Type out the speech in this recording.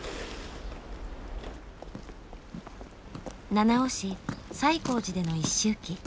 七尾市西光寺での一周忌。